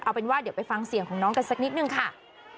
เอาเป็นว่าเดี๋ยวไปฟังเสียงของน้องกันสักนิดนึงค่ะ